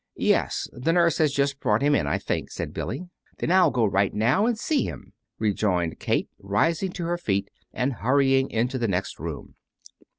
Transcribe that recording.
"Yes. The nurse has just brought him in, I think," said Billy. "Then I'll go right now and see him," rejoined Kate, rising to her feet and hurrying into the next room.